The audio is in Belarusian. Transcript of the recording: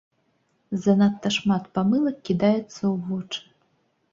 Занадта шмат памылак кідаецца ў вочы.